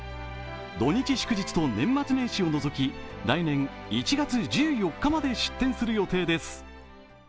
土日祝日と年末年始を除き来年１月１４日まで出店する予定です。